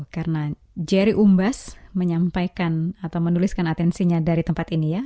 karena jerry umbas menyampaikan atau menuliskan atensinya dari tempat ini ya